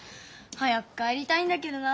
早く帰りたいんだけどな。